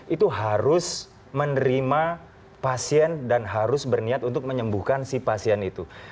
itu harus menerima pasien dan harus berniat untuk menyembuhkan si pasien itu